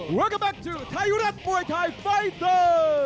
สวัสดีครับทายุรัฐมวยไทยไฟตเตอร์